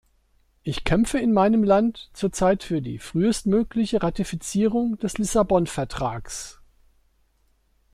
Ich kämpfe in meinem Land zurzeit für die frühestmögliche Ratifizierung des Lissabon-Vertrags.